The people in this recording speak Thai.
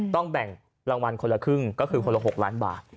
ต้องแบ่งรางวัลคนละครึ่งก็คือคนละ๖ล้านบาท